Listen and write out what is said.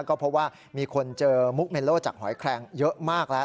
ก็เพราะว่ามีคนเจอมุกเมโลจากหอยแคลงเยอะมากแล้ว